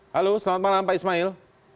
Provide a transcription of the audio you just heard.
halo selamat malam pak ismail